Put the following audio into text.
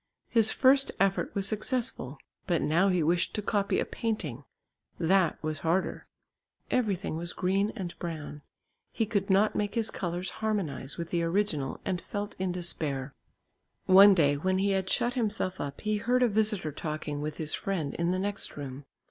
His first effort was successful. But now he wished to copy a painting. That was harder. Everything was green and brown. He could not make his colours harmonise with the original and felt in despair. One day when he had shut himself up he heard a visitor talking with his friend in the next room.